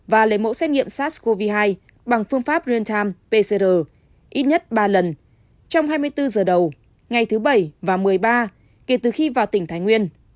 và lấy mẫu xét nghiệm sars cov hai bằng phương pháp real time pcr ít nhất ba lần trong hai mươi bốn giờ đầu ngày thứ bảy và một mươi ba kể từ khi vào tỉnh thái nguyên